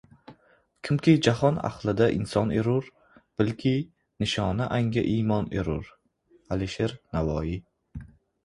Kimki jahon ahlida inson erur, Bilki, nishona anga iymon erur. Alisher Navoiy